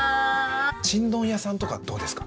ちんどん屋さんとかどうですか？